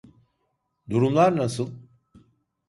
Durumlar nasıl?